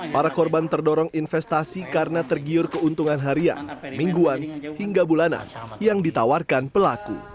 para korban terdorong investasi karena tergiur keuntungan harian mingguan hingga bulanan yang ditawarkan pelaku